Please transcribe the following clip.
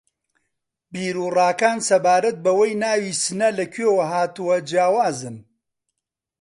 بیر و ڕاکان سەبارەت بەوەی ناوی سنە لە کوێوە ھاتووە جیاوازن